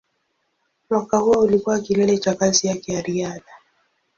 Mwaka huo ulikuwa kilele cha kazi yake ya riadha.